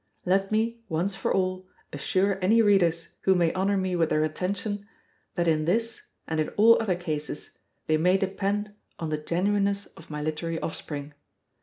Let me, once for all, assure any readers who may honor me with their attention, that in this, and in all other cases, they may depend on the genuineness of my literary offspring.